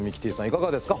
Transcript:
いかがですか？